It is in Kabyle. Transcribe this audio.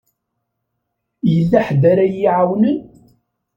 Yella ḥedd ara yi-iɛawnen?